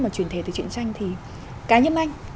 mà truyền thể từ chuyện tranh thì cá nhân anh